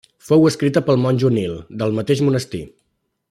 Fou escrita pel monjo Nil, del mateix monestir.